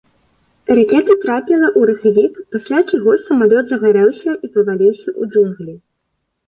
Ракета трапіла ў рухавік, пасля чаго самалёт загарэўся і паваліўся ў джунглі.